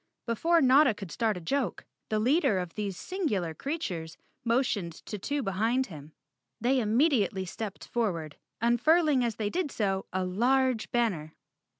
Before Notta could start a joke, the leader of these singular creatures motioned to two behind him. They immediately stepped forward, unfurling as they did so a large banner.